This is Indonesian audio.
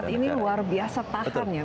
dan pesawat ini luar biasa tahan ya